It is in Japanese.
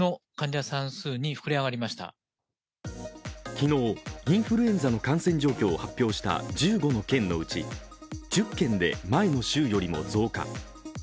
昨日、インフルエンザの感染状況を発表した１５の県のうち１０県で前の週よりも増加。